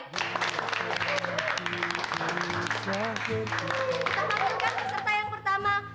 kita harapkan peserta yang pertama